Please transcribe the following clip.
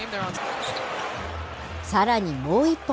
さらにもう１本。